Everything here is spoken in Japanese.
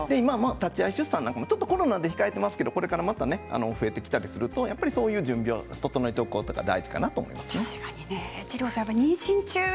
立ち会い出産なんかも今コロナで控えていますけどこれから増えてきたりするとそういう準備も整えることが大事かなと思います。